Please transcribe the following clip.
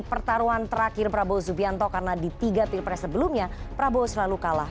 pertaruhan terakhir prabowo subianto karena di tiga pilpres sebelumnya prabowo selalu kalah